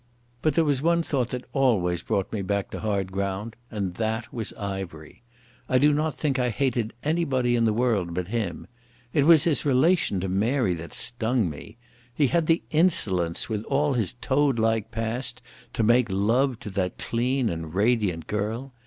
But there was one thought that always brought me back to hard ground, and that was Ivery. I do not think I hated anybody in the world but him. It was his relation to Mary that stung me. He had the insolence with all his toad like past to make love to that clean and radiant girl.